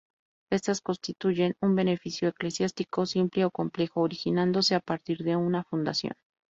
Estas constituyen un beneficio eclesiástico, simple o complejo, originándose a partir de una fundación.